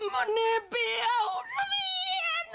นั่งนั่งนั่งนั่งนั่งนั่งนั่งนั่งนั่งนั่งนั่งนั่งนั่งนั่ง